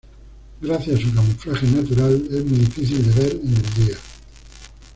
Gracias a su camuflaje natural, es muy difícil de ver en el día.